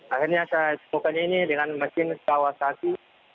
akhirnya saya temukan ini dengan mesin kawas kaki